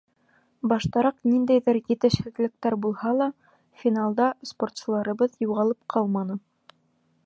Баштараҡ ниндәйҙер етешһеҙлектәр булһа ла, финалда спортсыларыбыҙ юғалып ҡалманы.